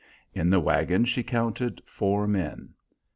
In the wagon she counted four men.